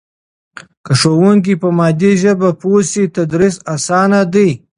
که ښوونکی په مادي ژبه پوه سي تدریس اسانه دی.